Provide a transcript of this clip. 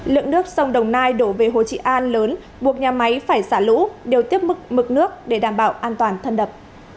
lượng nước sông đồng nai đổ về hồ trị an lớn buộc nhà máy phải xả lũ đều tiếp mực nước để đảm bảo an toàn thân đập